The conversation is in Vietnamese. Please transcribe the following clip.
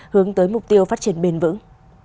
hướng tới mục tiêu phát triển bền vững